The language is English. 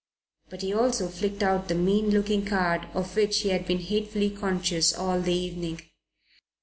But he also flicked out the mean looking card of which he had been hatefully conscious all the evening.